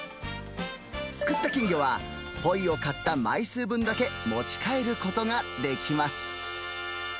すくった金魚は、ポイを買った枚数分だけ持ち帰ることができます。